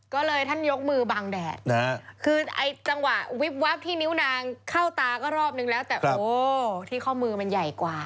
ก็เลยท่านยกมือบางแดดคือไอ้จังหวะวิบวับที่นิ้วนางเข้าตาก็รอบนึงแล้วแต่โอ้ที่ข้อมือมันใหญ่กว่า